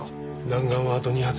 弾丸はあと２発。